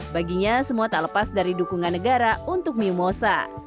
baginya semua tak lepas dari dukungan negara untuk miu mosa